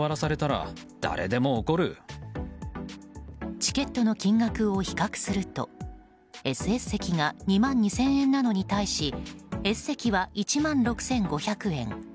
チケットの金額を比較するとＳＳ席が２万２０００円なのに対しＳ席は１万６５００円。